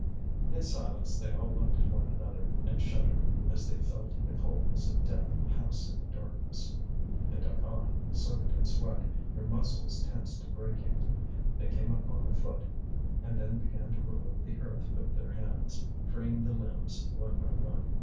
In silence they all looked at one another, and shuddered as they felt the coldness of death pass in the darkness. They dug on, soaked in sweat, their muscles tense to breaking. They came upon a foot, and then began to remove the earth with their hands, freeing the limbs one by one.